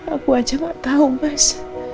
aku aja gak tahu mas